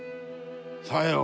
さよう。